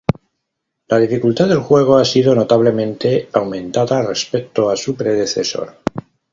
La dificultad del juego ha sido notablemente aumentada respecto a su predecesor.